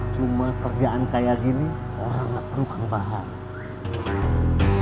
cuma kerjaan kayak gini orang gak perlu paham